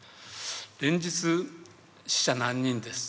連日「死者何人です。